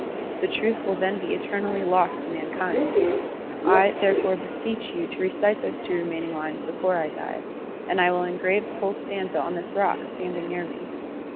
The truth will then be eternally lost to mankind. I, therefore, beseech you to recite those two remaining lines before I die, and I will engrave the whole stanza on this rock standing near by.